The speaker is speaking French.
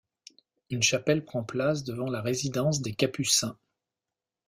Une chapelle prend place devant la résidence des capucins.